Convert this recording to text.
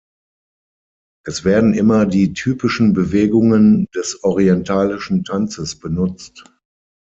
Es werden immer die typischen Bewegungen des orientalischen Tanzes benutzt.